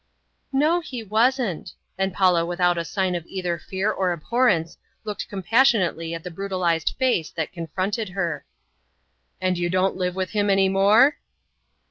"No, he wasn't," and Paula without a sign of either fear or abhorrence looked compassionately at the brutalized face that confronted her. "And you don't live with him any more?"